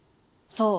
そう！